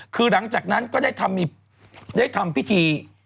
คือหลังจากนั้นก็ได้ทำพิธี